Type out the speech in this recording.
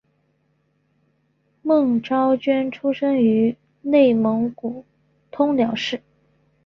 孟昭娟出生于内蒙古通辽市。